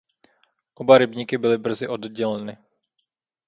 Oba rybníky byly brzy odděleny.